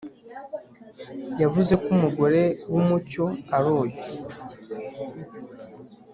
yavuze ko umugore wumucyo ari uyu